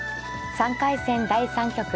３回戦第３局。